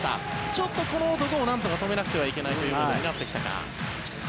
ちょっとこの男を止めなきゃいけないということになってきたか。